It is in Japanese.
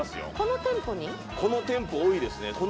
この店舗多いですね